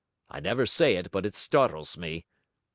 I never say it but it startles me.'